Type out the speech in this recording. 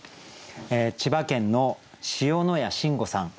千葉県の塩野谷慎吾さん